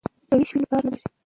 که ویش وي نو کار نه درندیږي.